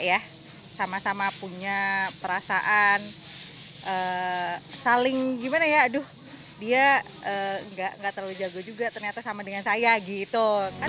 ya sama sama punya perasaan saling gimana ya aduh dia nggak terlalu jago juga ternyata sama dengan saya gitu kan